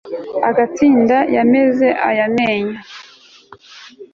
agatsinda yameze aya menyo